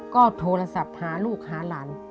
ก็โทรศัพท์หาลูกหาหลาน